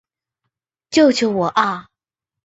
救救我啊！